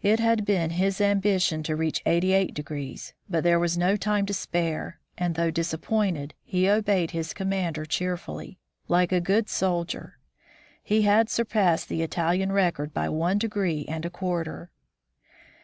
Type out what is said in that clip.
It had been his ambition to reach 88°, but there was no time to spare, and though disappointed, he obeyed his commander cheerfully, like a good soldier. He had sur passed the Italian record by one degree and a quarter.